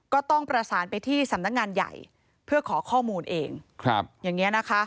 ก็ต้องประสานไปที่สำนักงานใหญ่เพื่อขอข้อมูลเอง